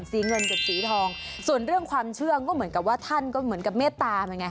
เงินกับสีทองส่วนเรื่องความเชื่อก็เหมือนกับว่าท่านก็เหมือนกับเมตตามันไง